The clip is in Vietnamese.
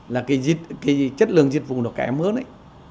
là cái chất lượng dịch vụ nó kẻ mớn ấy